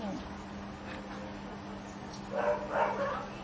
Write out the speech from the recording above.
สมัครสัตว์